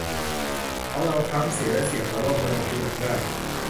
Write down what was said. ของเราคล้ำเสียและเสี่ยงต่อโรคมะเร็งผิวหนังได้